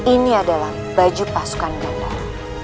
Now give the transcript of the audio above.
ini adalah baju pasukan ganda